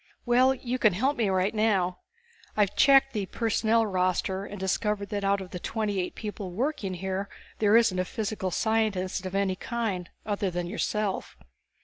"Well, you can help me right now. I checked the personnel roster and discovered that out of the twenty eight people working here there isn't a physical scientist of any kind other than yourself."